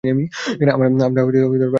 আমরা রাস্তায় এসে পড়ব!